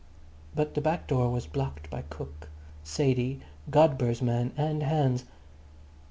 But the back door was blocked by cook, Sadie, Godber's man and Hans.